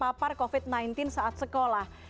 yang papar covid sembilan belas saat sekolah